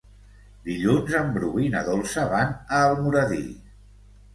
Dilluns en Bru i na Dolça van a Almoradí.